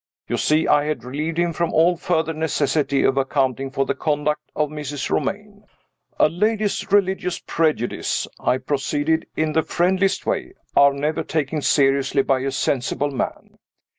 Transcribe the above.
You see I had relieved him from all further necessity of accounting for the conduct of Mrs. Romayne! "A lady's religious prejudices," I proceeded in the friendliest way, "are never taken seriously by a sensible man.